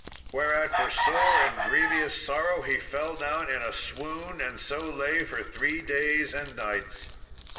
Whereat, for sore and grievous sorrow, he fell down in a swoon, and so lay for three days and nights.